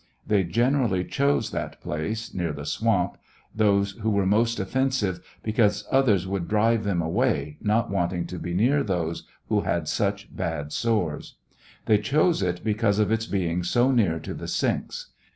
They generally chose that place, (near the swamp, ) those who were most offensive, because others would drive them away, not wanting Jo be near those who had such bad sores. They chose it because of its being so near to the sinks.